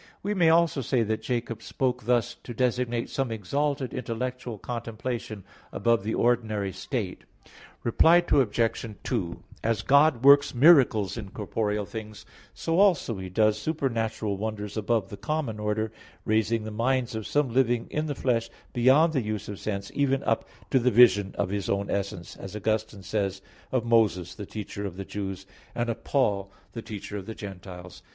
We may also say that Jacob spoke thus to designate some exalted intellectual contemplation, above the ordinary state. Reply Obj. 2: As God works miracles in corporeal things, so also He does supernatural wonders above the common order, raising the minds of some living in the flesh beyond the use of sense, even up to the vision of His own essence; as Augustine says (Gen. ad lit. xii, 26, 27, 28) of Moses, the teacher of the Jews; and of Paul, the teacher of the Gentiles.